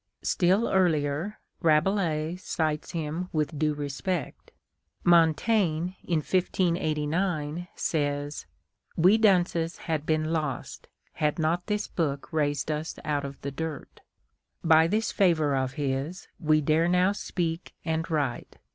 Still earlier, Rabelais cites him with due respect. Montaigne, in 1589, says :" We dunces had been lost, had not this book raised us out of the dirt. By this favor of his we dare now speak and write.